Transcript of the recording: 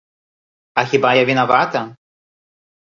А хіба я вінавата?